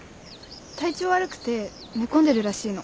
体調悪くて寝込んでるらしいの。